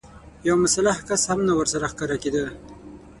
يو مسلح کس هم نه ورسره ښکارېده.